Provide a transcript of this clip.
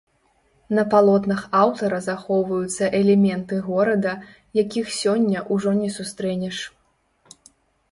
На палотнах аўтара захоўваюцца элементы горада, якіх сёння ўжо не сустрэнеш.